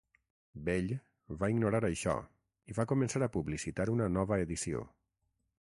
Bell va ignorar això i va començar a publicitar una "nova edició".